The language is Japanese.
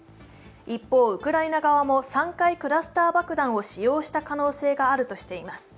一方、ウクライナ側も３回クラスター爆弾を使用した可能性があるとしています。